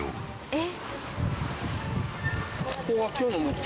えっ？